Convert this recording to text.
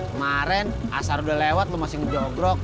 kemaren asal udah lewat lo masih ngejogrok